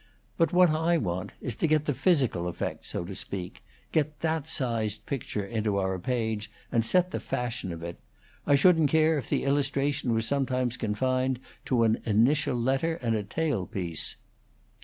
But what I want is to get the physical effect, so to speak get that sized picture into our page, and set the fashion of it. I shouldn't care if the illustration was sometimes confined to an initial letter and a tail piece."